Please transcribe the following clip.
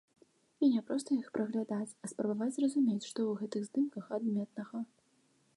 І не проста іх праглядаць, а спрабаваць зразумець, што ў гэтых здымках адметнага.